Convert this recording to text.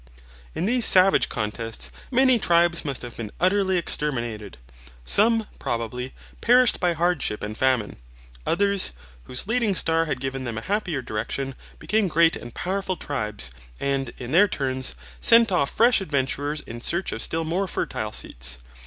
In these savage contests many tribes must have been utterly exterminated. Some, probably, perished by hardship and famine. Others, whose leading star had given them a happier direction, became great and powerful tribes, and, in their turns, sent off fresh adventurers in search of still more fertile seats.